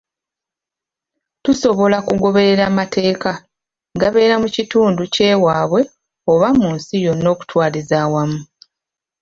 Tasobola kugoberera mateeka gabeera mu kitundu ky'ewaabwe oba mu nsi yonna okutwalizaawamu.